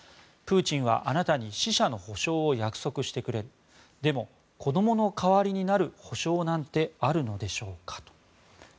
プーチンはあなたに死者の補償を約束してくれるでも、子どもの代わりになる補償なんてあるのでしょうかと。